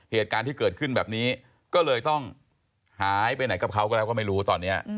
เหตุการณ์ที่เกิดขึ้นแบบนี้ก็เลยต้องหายไปไหนกับเขาก็แล้วก็ไม่รู้ตอนนี้